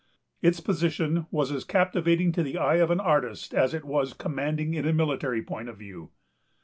Its position was as captivating to the eye of an artist as it was commanding in a military point of view.